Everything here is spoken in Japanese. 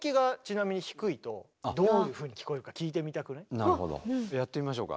なるほどやってみましょうか？